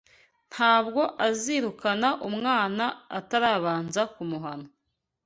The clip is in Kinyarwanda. Ntabwo azirukana umwana atarabanza kumuhana